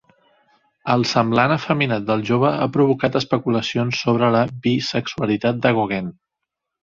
El semblant efeminat del jove ha provocat especulacions sobre la bisexualitat de Gauguin.